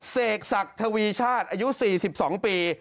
เสกศักดิ์ทวีชาติอายุ๔๒ปี